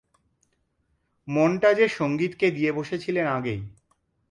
মনটা যে সংগীতকে দিয়ে বসেছিলেন আগেই।